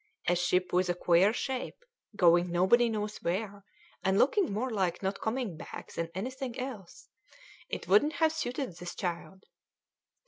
A ship with a queer shape, going nobody knows where, and looking more like not coming back than anything else, it wouldn't have suited this child."